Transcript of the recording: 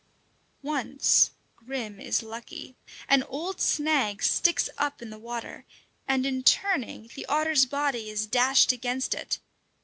Once Grim is lucky. An old snag sticks up in the water, and, in turning, the otter's body is dashed against it.